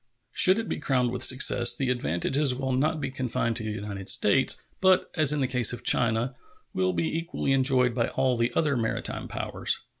Should it be crowned with success, the advantages will not be confined to the United States, but, as in the case of China, will be equally enjoyed by all the other maritime powers.